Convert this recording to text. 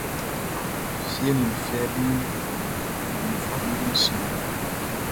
Fieʼn nunʼn, flɛri fanunfanunʼm be sɔnnin.